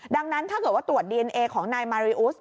ดังนั้นถ้าเกิดว่าตรวจดีเอนเอของนายมาริอุส